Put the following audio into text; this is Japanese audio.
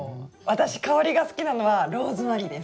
私香りが好きなのはローズマリーです。